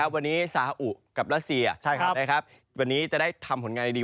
วันนี้ซาอุกับรัสเซียวันนี้จะได้ทำผลงานดี